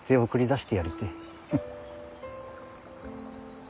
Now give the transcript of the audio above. フッ。